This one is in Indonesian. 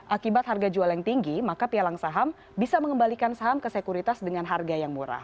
akibat harga jual yang tinggi maka pialang saham bisa mengembalikan saham ke sekuritas dengan harga yang murah